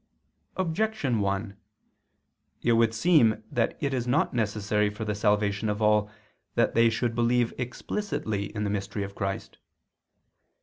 Objection 1: It would seem that it is not necessary for the salvation of all that they should believe explicitly in the mystery of Christ.